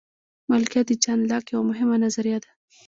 مالکیت د جان لاک یوه مهمه نظریه ده.